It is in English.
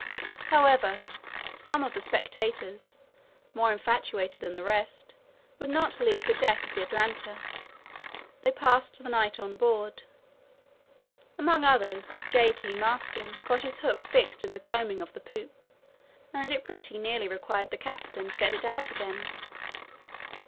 However, some of the spectators, more infatuated than the rest, would not leave the deck of the Atlanta. They passed the night on board. Among others J. T. Maston got his hook fixed in the combing of the poop, and it pretty nearly required the capstan to get it out again.